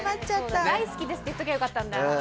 大好きですって言っときゃよかったんだ。